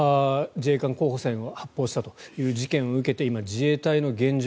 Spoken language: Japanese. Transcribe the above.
自衛官候補生が発砲したという事件を受けて今、自衛隊の現状